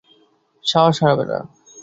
সাহস হারাবে না!